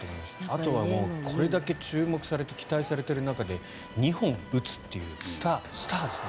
あとはこれだけ注目されて期待されている中で２本打つというスターですね。